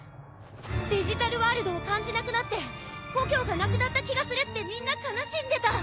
デジタルワールドを感じなくなって故郷がなくなった気がするってみんな悲しんでた。